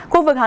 khu vực hà nội